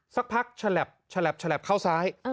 สักพักฉลับเข้าซ้าย